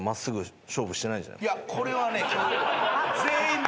いやこれはね今日。